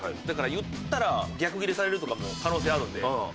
だから言ったら逆ギレされるとかも可能性あるんで。